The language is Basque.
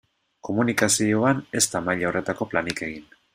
Komunikazioan ez da maila horretako planik egin.